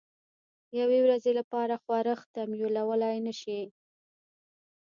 یوې ورځې لپاره ښورښ تمویلولای نه شي.